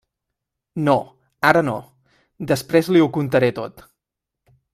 No, ara no; després li ho contaré tot.